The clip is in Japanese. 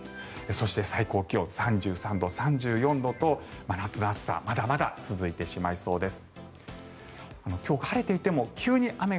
そして最高気温３３度、３４度と真夏の暑さまだまだ続いてしまいそうです。